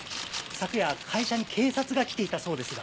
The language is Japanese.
昨夜会社に警察が来ていたそうですが？